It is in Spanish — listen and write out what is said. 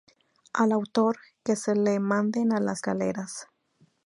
Al autor, que se le manden a las galeras.